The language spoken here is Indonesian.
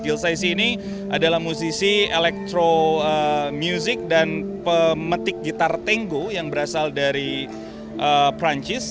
gil saisi ini adalah musisi elektromusik dan pemetik gitar tenggo yang berasal dari prancis